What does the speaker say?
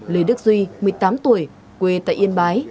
lê đức duy một mươi tám tuổi quê tại yên bái